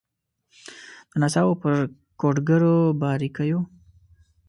د نڅاوو په کوډګرو باریکېو